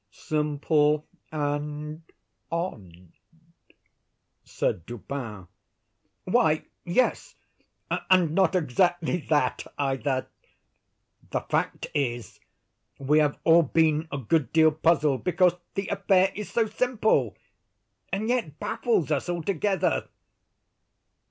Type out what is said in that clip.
"Simple and odd," said Dupin. "Why, yes; and not exactly that, either. The fact is, we have all been a good deal puzzled because the affair is so simple, and yet baffles us altogether."